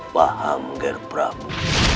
paham ger prabu